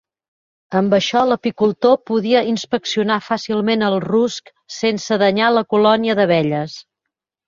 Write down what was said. Amb això l'apicultor podia inspeccionar fàcilment el rusc sense danyar la colònia d'abelles.